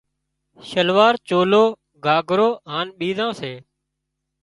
شلوار، چولو، گھاگھرو، هانَ ٻيزان سي